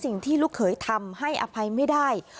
สิ่งที่ลูกเขยทำให้อภัยไม่ได้